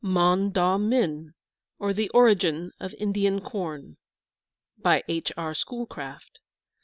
MON DAW MIN, OR THE ORIGIN OF INDIAN CORN BY H. R. SCHOOLCRAFT.